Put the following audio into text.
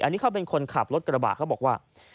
อันนี้เขาเป็นคนขับรถกระบะเขาบอกว่า